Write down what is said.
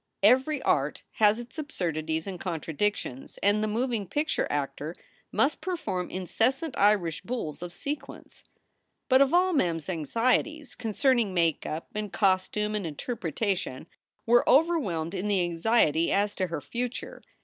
Every art has its absurdities and contradictions, and the moving picture actor must perform incessant Irish bulls of sequence. But all of Mem s anxieties concerning make up and cos tume and interpretation were overwhelmed in the anxiety as to her future.